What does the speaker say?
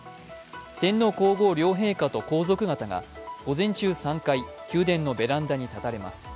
天皇皇后両陛下と皇族方が午前中３回宮殿のベランダに立たれます。